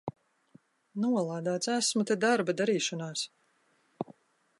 Nolādēts! Esmu te darba darīšanās!